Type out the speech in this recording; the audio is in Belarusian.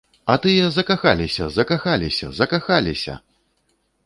А тыя закахаліся, закахаліся, закахаліся!